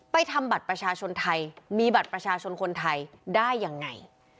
ทำบัตรประชาชนไทยมีบัตรประชาชนคนไทยได้ยังไง